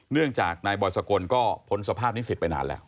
เนื่องจากนายบอยสกลก็พ้นสภาพนิสิตไปนานแล้ว